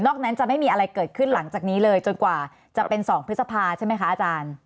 นั้นจะไม่มีอะไรเกิดขึ้นหลังจากนี้เลยจนกว่าจะเป็น๒พฤษภาใช่ไหมคะอาจารย์